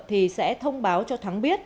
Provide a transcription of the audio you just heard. thì sẽ thông báo cho thắng biết